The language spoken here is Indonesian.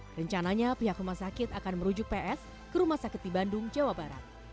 rencananya pihak rumah sakit akan merujuk ps ke rumah sakit di bandung jawa barat